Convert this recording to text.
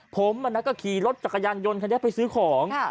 ผมวันนั้นก็ขี่รถจักรยานยนต์ไปซื้อของ